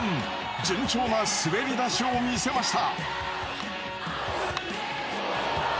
順調な滑り出しを見せました。